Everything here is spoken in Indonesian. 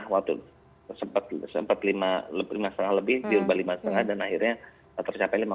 waktu sempat lima lima lebih diubah lima lima dan akhirnya tercapai lima puluh